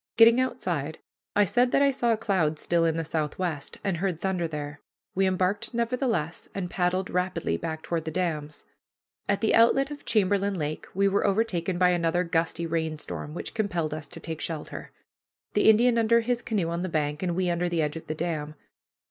Getting outside, I said that I saw clouds still in the southwest, and heard thunder there. We embarked, nevertheless, and paddled rapidly back toward the dams. At the outlet of Chamberlain Lake we were overtaken by another gusty rainstorm, which compelled us to take shelter, the Indian under his canoe on the bank, and we under the edge of the dam.